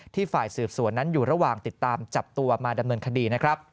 ฝ่ายสืบสวนนั้นอยู่ระหว่างติดตามจับตัวมาดำเนินคดีนะครับ